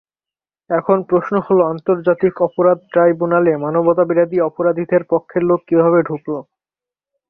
এখন প্রশ্ন হলো, আন্তর্জাতিক অপরাধ ট্রাইব্যুনালে মানবতাবিরোধী অপরাধীদের পক্ষের লোক কীভাবে ঢুকল।